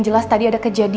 mama pasti kembali